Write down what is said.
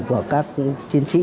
của các chính sách